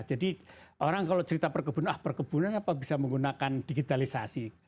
jadi orang kalau cerita perkebunan ah perkebunan apa bisa menggunakan digitalisasi